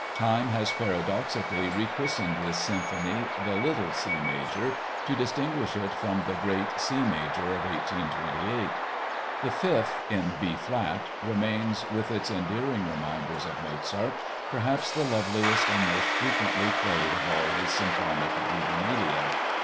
Time has paradoxically rechristened this symphony the "little" C major to distinguish it from the great C major of 1828. The Fifth, in B flat, remains with its endearing reminders of Mozart, perhaps the loveliest and most frequently played of all this symphonic juvenilia.